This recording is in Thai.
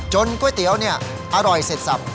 ก๋วยเตี๋ยวอร่อยเสร็จสับ